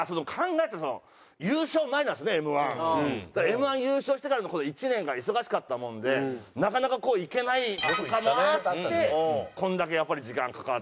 Ｍ−１優勝してからの１年が忙しかったもんでなかなか行けないとかもあってこれだけやっぱり時間かかって。